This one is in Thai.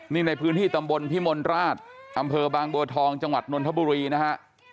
นี่ในพื้นที่ตำบลพิมลราชอำเภอบางบัวทองจังหวัดนนทบุรีนะฮะ